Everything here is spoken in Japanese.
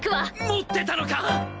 持ってたのか！